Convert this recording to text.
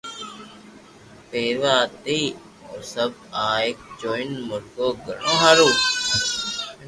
پيروا ھتي او سب آ جوئين مورگو گھڻو ھآرون